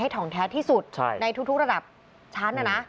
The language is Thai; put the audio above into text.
ให้ถ่องแท้ที่สุดในทุกระดับชั้น